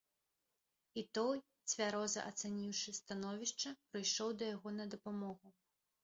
І той, цвяроза ацаніўшы становішча, прыйшоў да яго на дапамогу.